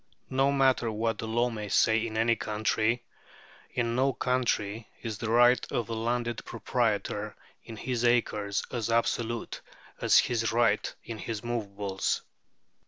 No matter what the law may say in any country, in no country is the right of the landed proprietor in his acres as absolute as his right in his movables.